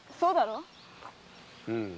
うん。